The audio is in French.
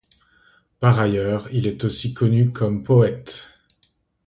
Par ailleurs, il est aussi connu comme poète.